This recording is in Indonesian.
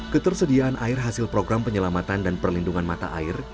ketersediaan air hasil program penyelamatan dan perlindungan mata air